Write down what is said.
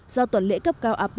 sau tuần lễ cấp cao abg